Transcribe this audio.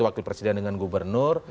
wakil presiden dengan gubernur